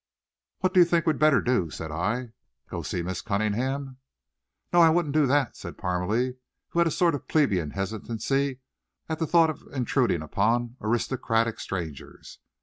"What do you think we'd better do?" said I. "Go to see Mrs. Cunningham?" "No, I wouldn't do that," said Parmalee, who had a sort of plebeian hesitancy at the thought of intruding upon aristocratic strangers.